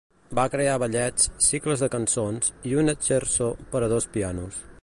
Va crear ballets, cicles de cançons i un scherzo per a dos pianos.